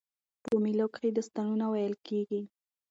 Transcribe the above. په مېلو کښي داستانونه ویل کېږي.